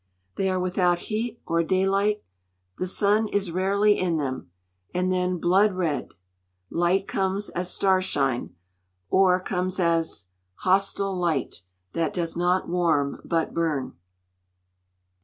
They are without heat or daylight, the sun is rarely in them, and then 'blood red'; light comes as starshine, or comes as hostile light That does not warm but burn.